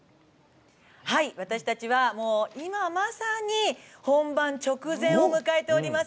私たちは今まさに本番直前を迎えております